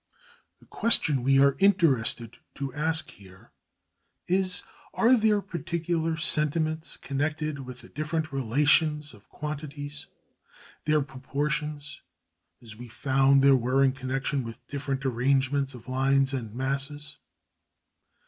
The question we are interested to ask here is: are there particular sentiments connected with the different relations of quantities, their proportions, as we found there were in connection with different arrangements of lines and masses?